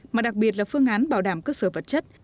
mà đặc biệt là phương án bảo đảm cơ sở vật chất